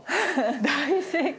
大正解！